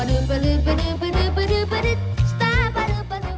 misalnya kavin dengan kepiawayannya menyanyi jazz dan bermain piano